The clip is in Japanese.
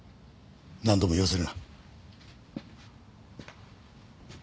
何度も言わせるな。